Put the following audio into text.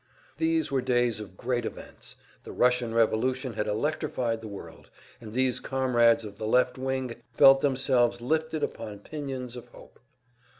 These were days of great events; the Russian revolution had electrified the world, and these comrades of the "left wing" felt themselves lifted upon pinions of hope.